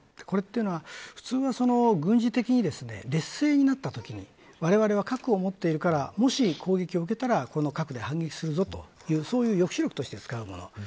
これというのは、普通は軍事的に劣勢になったときにわれわれは核を持っているからもし攻撃を受けたらこの核で反撃するという抑止力として使うもの。